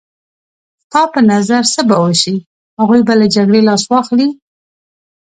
ستا په نظر څه به وشي؟ هغوی به له جګړې لاس واخلي.